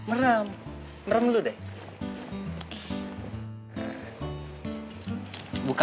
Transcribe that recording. itu penjarakan dia juga